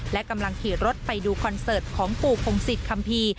และกำลังขี่รถไปดูคอนเสิร์ตของปู่พงศิษยคัมภีร์